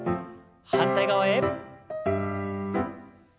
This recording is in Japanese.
反対側へ。